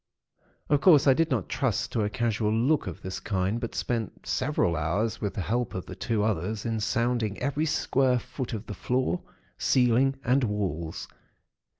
Of course, I did not trust to a casual look of this kind; but spent several hours, with the help of the two others in sounding every square foot of the floor, ceiling, and walls.